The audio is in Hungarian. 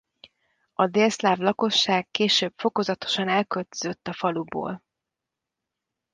A délszláv lakosság később fokozatosan elköltözött a faluból.